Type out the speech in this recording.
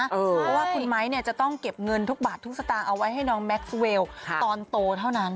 เพราะว่าคุณไม้จะต้องเก็บเงินทุกบาททุกสตางค์เอาไว้ให้น้องแม็กซ์เวลตอนโตเท่านั้น